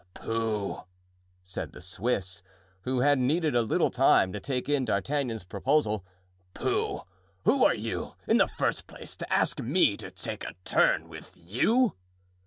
"Pooh!" said the Swiss, who had needed a little time to take in D'Artagnan's proposal, "pooh! who are you, in the first place, to ask me to take a turn with you?"